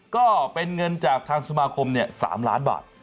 ก็เป็นเงินจากทางสมาคม๓ล้านบาท